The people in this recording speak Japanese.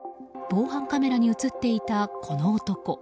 防犯カメラに映っていたこの男。